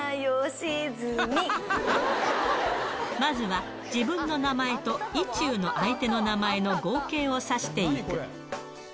まずは、自分の名前と意中の相手の名前の合計をさしていく。